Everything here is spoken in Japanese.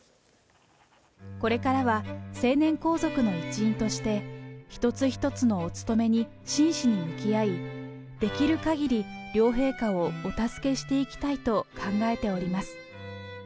これからは成年皇族の一員として、一つ一つのお務めに真摯に向き合い、できるかぎり両陛下をお助けしていきたいと考えております。